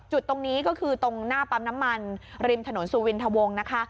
จุดตรงนี้ก็คือตรงหน้าปั๊มน้ำมันริมถนนสุวินทวงนะคะ